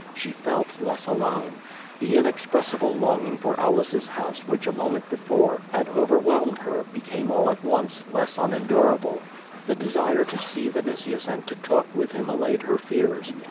She felt less alone. The inexpressible QUO VADI8. 57 longing for Aulus^s house which a moment before had over whelmed her became all at once less unendurable. The de sire to see Vinitius and to talk with him allayed her fears.